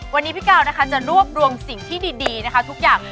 วันนี้พี่กาวนะคะจะรวบรวมสิ่งที่ดีนะคะทุกอย่าง